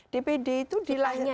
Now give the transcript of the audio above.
dbd itu dilahirkan